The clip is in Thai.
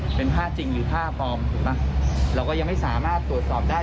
เป็นผ้าจริงหรือผ้าปลอมถูกป่ะเราก็ยังไม่สามารถตรวจสอบได้